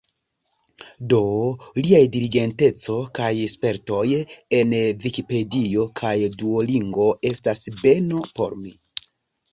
Do, liaj diligenteco kaj spertoj en Vikipedio kaj Duolingo estas beno por mi.